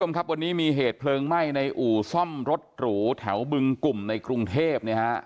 วันนี้มีเหตุเพลิงไหม้ในอู่ซ่อมรถหรูแถวบึงกุ่มในกรุงเทพฯ